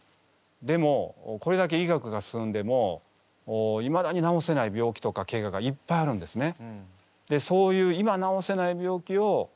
でもこれだけ医学が進んでもいまだに治せない病気とかけががいっぱいあるんですね。